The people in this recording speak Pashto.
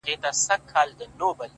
• د جرگې ټولو ښاغلو موږكانو,